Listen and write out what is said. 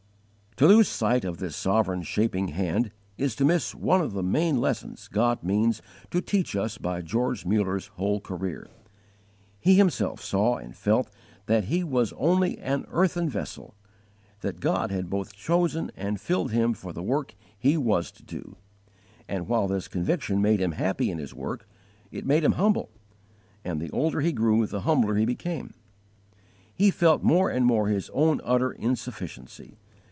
To lose sight of this sovereign shaping Hand is to miss one of the main lessons God means to teach us by George Muller's whole career. He himself saw and felt that he was only an earthen vessel; that God had both chosen and filled him for the work he was to do; and, while this conviction made him happy in his work, it made him humble, and the older he grew the humbler he became. He felt more and more his own utter insufficiency.